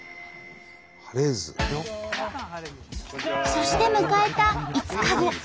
そして迎えた５日後。